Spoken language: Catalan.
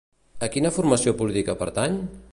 A quina formació política pertany?